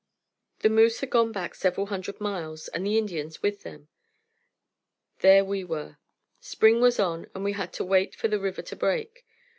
The moose had gone back several hundred miles and the Indians with them. There we were. Spring was on, and we had to wait for the river to break.